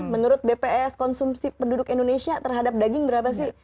menurut bps konsumsi penduduk indonesia terhadap daging berapa sih